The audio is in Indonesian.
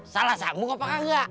salah sambung apa kagak